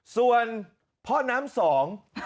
ส่วนพ่อน้ำสอง